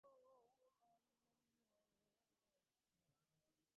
হাতে টাকা এলেই যা করে সব খরচ করো, তোমার স্বভাবও ওর মতো দিদি।